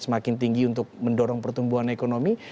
semakin tinggi untuk mendorong pertumbuhan ekonomi